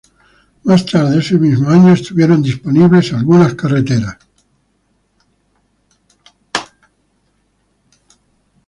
Más tarde ese mismo año, algunas carreteras se hicieron disponibles.